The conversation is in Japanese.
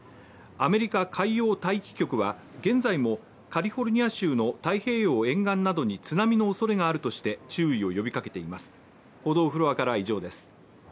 アメリカ海洋大気局は現在もカリフォルニア州の太平洋沿岸などに津波のおそれがあるとして注意を呼びかけています。